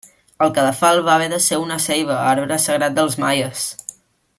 El cadafal va haver de ser una ceiba, arbre sagrat dels maies.